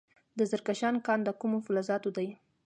د زرکشان کان د کومو فلزاتو دی؟